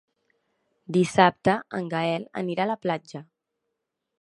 Dissabte en Gaël anirà a la platja.